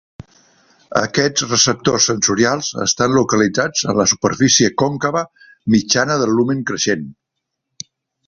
Aquests receptors sensorials estan localitzats en la superfície còncava mitjana del lumen creixent.